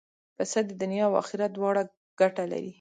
پسه د دنیا او آخرت دواړو ګټه لري.